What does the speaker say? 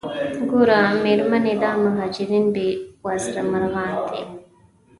ګوره میرمنې دا مهاجرین بې وزره مرغان دي.